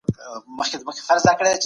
د گمرکونو سیستم عصري سوی و.